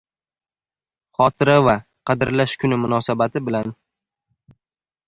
Xotira va qadrlash kuni munosabati bilan